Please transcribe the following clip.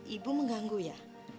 ibu mengganggu ya